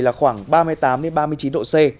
là khoảng ba mươi tám ba mươi chín độ c